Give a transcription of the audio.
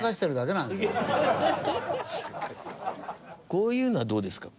こういうのはどうですか？